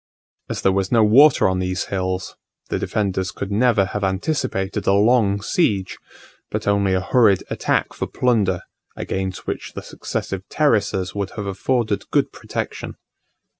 As there was no water on these hills, the defenders could never have anticipated a long siege, but only a hurried attack for plunder, against which the successive terraces would have afforded good protection.